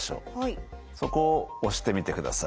そこを押してみてください。